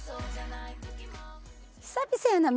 久々やな。